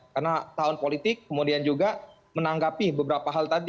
karena tahun politik kemudian juga menanggapi beberapa hal tadi